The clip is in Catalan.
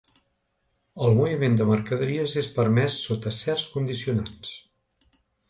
El moviment de mercaderies és permès sota certs condicionants.